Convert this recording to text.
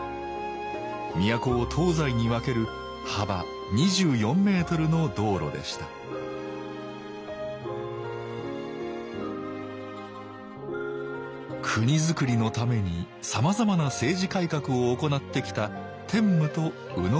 都を東西に分ける幅２４メートルの道路でした国づくりのためにさまざまな政治改革を行ってきた天武と野讃良。